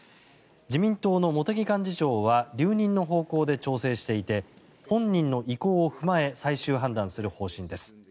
自民党の茂木幹事長は留任の方向で調整していて本人の意向を踏まえ最終判断する方針です。